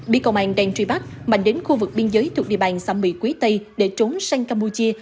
bị công an đang truy bắt mạnh đến khu vực biên giới thuộc địa bàn xã mỹ quý tây để trốn sang campuchia